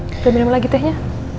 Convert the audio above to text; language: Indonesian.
kita minum lagi tehnya